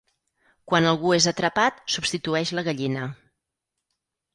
Quan algú és atrapat substitueix la gallina.